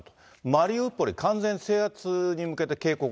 マリウポリ完全制圧に向けて警告。